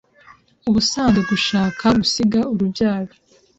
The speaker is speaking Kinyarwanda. Ubusanzwe gushaka gusiga urubyaro